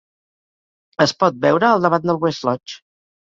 Es pot veure al davant del West Lodge.